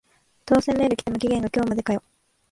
当選メール来ても期限が今日までかよ